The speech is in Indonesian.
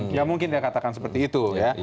nggak mungkin dia katakan seperti itu